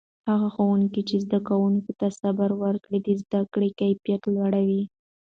هغه ښوونکي چې زده کوونکو ته صبر وکړي، د زده کړې کیفیت لوړوي.